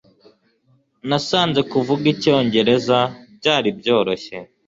Nasanze kuvuga icyongereza byari byoroshye